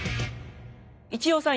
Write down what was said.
一葉さん